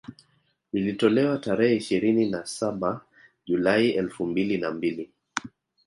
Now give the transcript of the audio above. Lililotolewa tarehe ishirini na saba Julai elfu mbili na mbili